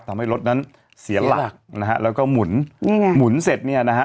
ทำให้รถนั้นเสียหลักนะฮะแล้วก็หมุนนี่ไงหมุนเสร็จเนี่ยนะฮะ